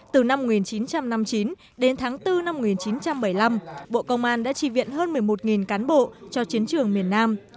từ năm một nghìn chín trăm năm mươi chín đến tháng bốn năm một nghìn chín trăm bảy mươi năm bộ công an đã trì viện hơn một mươi một cán bộ cho chiến trường miền nam